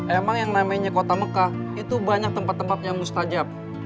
emang yang namanya kota mekah itu banyak tempat tempatnya mustajab